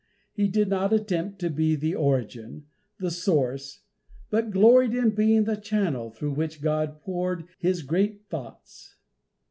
He did not attempt to be the origin the source, but gloried in being the channel through which God poured His great thoughts.